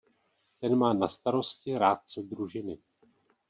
Ten má na starosti rádce družiny.